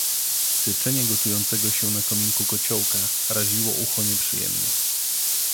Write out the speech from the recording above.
"Syczenie gotującego się na kominku kociołka raziło ucho nieprzyjemnie."